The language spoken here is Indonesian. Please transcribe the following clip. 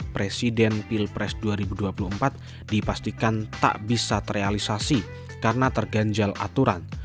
presiden pilpres dua ribu dua puluh empat dipastikan tak bisa terrealisasi karena terganjal aturan